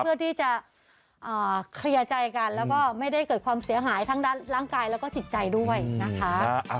เพื่อที่จะเคลียร์ใจกันแล้วก็ไม่ได้เกิดความเสียหายทั้งด้านร่างกายแล้วก็จิตใจด้วยนะคะ